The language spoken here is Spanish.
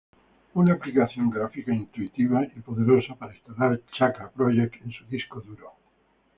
Una aplicación gráfica intuitiva y poderosa para instalar Chakra Project en su disco duro.